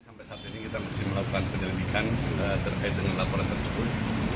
sampai saat ini kita masih melakukan penyelidikan terkait dengan laporan tersebut